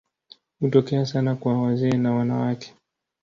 Hutokea sana kwa wazee na wanawake.